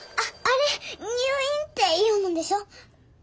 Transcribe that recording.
あれ「入院」って読むんでしょ？